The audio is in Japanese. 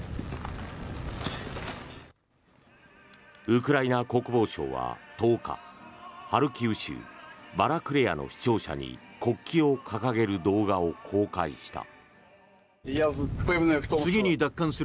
ウクライナ国防省は１０日ハルキウ州バラクレヤの市庁舎に国旗を掲げる動画を公開した。